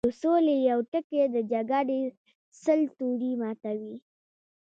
د سولې يو ټکی د جګړې سل تورې ماتوي